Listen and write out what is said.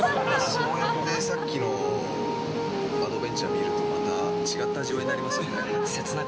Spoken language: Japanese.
そうやってさっきのアドベンチャー見るとまた違った味わいになりますね。